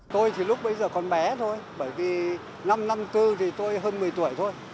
tôi thì lúc bây giờ còn bé thôi bởi vì năm năm tư thì tôi hơn một mươi tuổi thôi